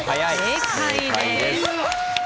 正解です。